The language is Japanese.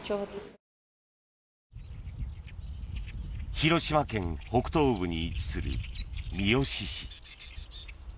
広島県北東部に位置する三次市。